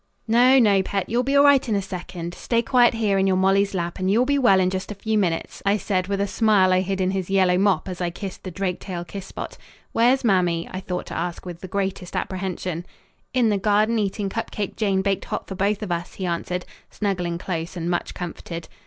"No, no, pet; you'll be all right in a second. Stay quiet here in your Molly's lap and you will be well in just a few minutes," I said with a smile I hid in his yellow mop as I kissed the drake tail kiss spot. "Where's Mamie?" I thought to ask with the greatest apprehension. "In the garden eating cup cake Jane baked hot for both of us," he answered, snuggling close and much comforted.